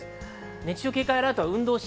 熱中症警戒アラートは運動し